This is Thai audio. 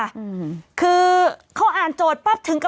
กรมป้องกันแล้วก็บรรเทาสาธารณภัยนะคะ